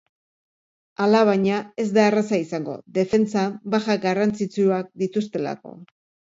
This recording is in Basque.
Alabaina, ez da erraza izango, defentsan baja garrantzitsuak dituztelako.